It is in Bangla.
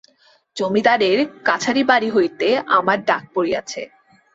জমিদারের কাছারিবাড়ি হইতে আমার ডাক পড়িয়াছে।